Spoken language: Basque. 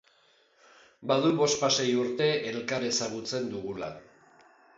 Badu bospasei urte elkar ezagutzen dugula.